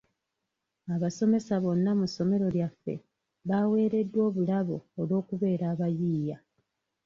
Abasomesa bonna mu ssomero lyaffe baaweereddwa obulabo olw'okubeera abayiiya.